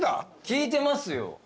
聞いてますよ。